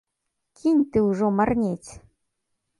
Кінь ты ўжо марнець!